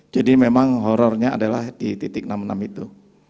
jadi memang horornya adalah di titik enam enam puluh tujuh itu